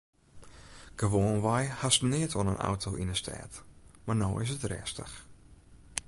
Gewoanwei hast neat oan in auto yn 'e stêd mar no is it rêstich.